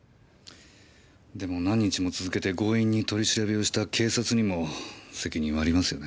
でも何日も続けて強引に取り調べをした警察にも責任はありますよね。